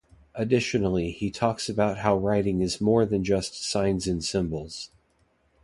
Additionally, he talks about how writing is more than just signs and symbols.